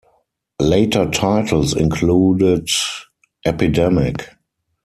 Later titles included Epidemic!